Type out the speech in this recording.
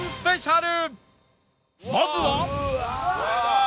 まずは